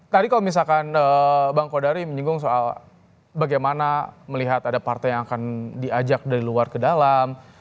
tadi kalau misalkan bang kodari menyinggung soal bagaimana melihat ada partai yang akan diajak dari luar ke dalam